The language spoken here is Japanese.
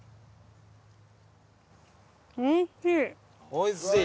おいしい。